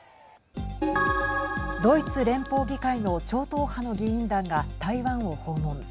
ドイツ連邦議会の超党派の議員団が台湾を訪問。